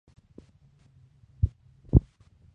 Se encuentra en Eurasia: Mongolia y Rusia.